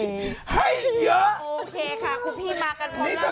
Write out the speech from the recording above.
นี่จะกลับมาแล้วหรอ